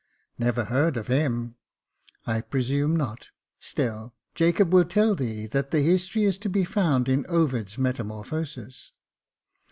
" Never heard of him." I presume not j still, Jacob will tell thee that the history is to be found in Ovid's Metamorphosis."